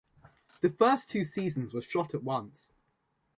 The first two seasons were shot at once.